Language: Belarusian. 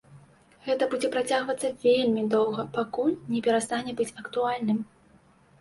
Гэта будзе працягвацца вельмі доўга, пакуль не перастане быць актуальным.